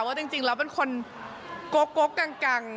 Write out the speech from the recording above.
ว่าจริงแล้วเป็นคนโก๊กกัง